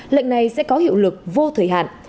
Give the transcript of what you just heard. lệnh này sẽ có hiệu lực vô thời hạn